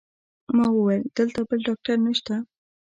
ما وویل: دلته بل ډاکټر نشته؟